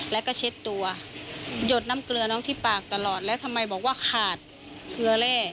แล้วก็เช็ดตัวหยดน้ำเกลือน้องที่ปากตลอดแล้วทำไมบอกว่าขาดเกลือแร่